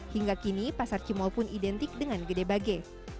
hingga kini pasar cimol pun identik dengan gede bage